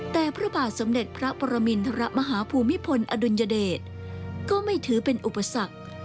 แต่พระบาทสมเด็จพระปรมินทรมาฮภูมิพลอดุลยเดชก็ไม่ถือเป็นอุปสรรค